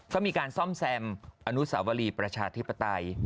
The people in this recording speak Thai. ก็มีการซ่อมแซมอนุสาวรีประชาธิปไตย